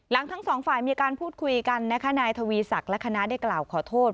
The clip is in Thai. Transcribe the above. ทั้งสองฝ่ายมีการพูดคุยกันนะคะนายทวีศักดิ์และคณะได้กล่าวขอโทษ